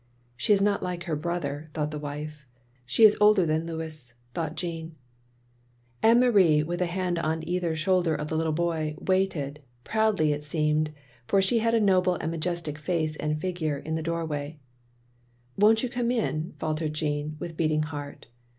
" She is not like her brother, " thought the wife. "She is older than Louis," thought Jeanne. Anne Marie, with a hand on either shoulder of the little boy, waited — ^proudly it seemed, for she had a noble and majestic face and figure — ^in the doorway. "Won't you come in?" faltered Jeanne, with beating heart.